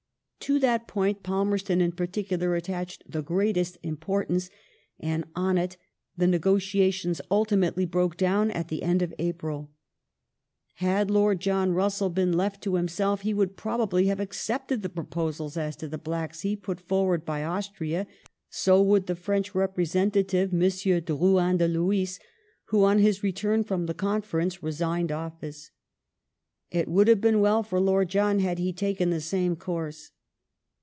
To that point Palmer ston in particular attached the greatest importance, and on it the negotiations ultimately broke down at the end of April. Had Lord John Russell been left to himself he would probably have accepted the proposals as to the Black Sea put forward by Austria ; so would the French representative M. Drouyn de Lhuys, who on his return from the Conference resigned office. It would have been well for Lord John had he taken the same course.